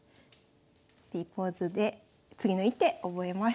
Ｐポーズで次の一手覚えましょう。